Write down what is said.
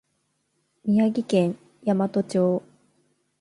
宮城県大和町